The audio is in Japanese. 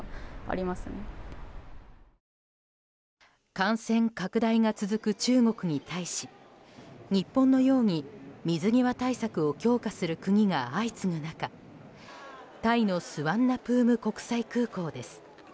感染拡大が続く中国に対し日本のように水際対策を強化する国が相次ぐ中タイのスワンナプーム国際空港です。